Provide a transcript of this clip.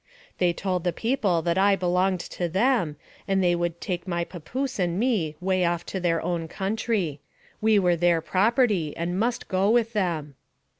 They told the people that I belonged to them, and they would take my papoose and me way off to their own country ; we were their property, and must go with them.